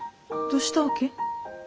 どうしたわけ？